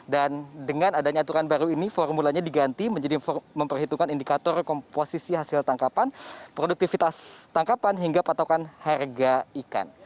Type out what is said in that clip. dan dengan adanya aturan baru ini formulanya diganti menjadi memperhitungkan indikator komposisi hasil tangkapan produktivitas tangkapan hingga patokan harga ikan